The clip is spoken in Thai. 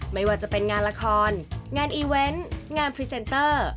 ไม่ว่าจะเป็นงานละครงานอีเวนต์งานพรีเซนเตอร์